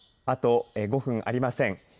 あと５分ありません。